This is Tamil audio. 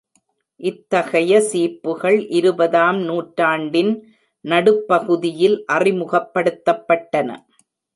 இத்தகைய சீப்புகள் இருபதாம் நூற்றாண்டின் நடுப்பகுதியில் அறிமுகப்படுத்தப்பட்டன.